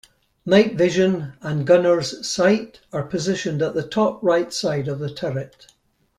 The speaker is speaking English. Night vision and gunner's sight are positioned on the top-right side of the turret.